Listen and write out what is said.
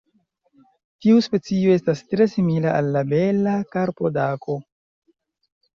Tiu specio estas tre simila al la Bela karpodako.